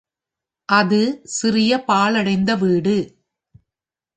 அது சிறிது பாழடைந்த வீடு.